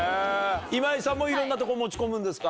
今井さんもいろんなとこ持ち込むんですか？